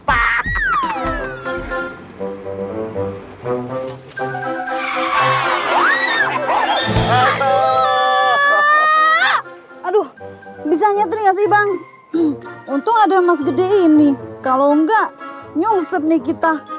aduh bisa nyetri gak sih bang untuk ada emas gede ini kalau enggak nyusup nih kita